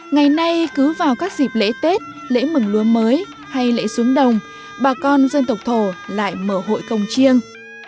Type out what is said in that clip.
ngày nay cứ vào các dịp lễ tết lễ mừng lúa mới hay lễ xuống đồng bà con dân tộc thổ lại mở hội công chiêng